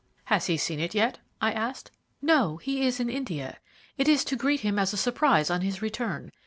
"Has he seen it yet?" I asked "No, he is in India; it is to greet him as a surprise on his return.